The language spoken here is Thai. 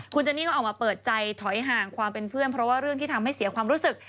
คุณเจนี่ก็ออกมาเปิดใจถอยห่างความเป็นเพื่อนเพราะว่าเรื่องที่ทำให้เสียความรู้สึก